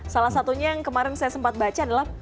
salah satunya yang kemarin saya sempat baca adalah